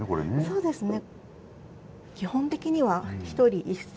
そうですね。